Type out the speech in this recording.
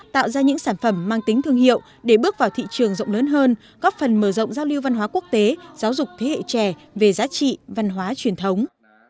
tạo ra những sản phẩm mang tính thương hiệu để bước vào thị trường rộng lớn hơn góp phần mở rộng giao lưu văn hóa quốc tế giáo dục thế hệ trẻ về giá trị văn hóa truyền thống